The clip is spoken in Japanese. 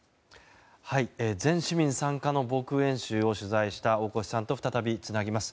全市民参加の防空演習を取材した大越さんと再びつなぎます。